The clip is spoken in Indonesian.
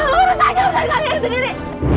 urus aja kalian sendiri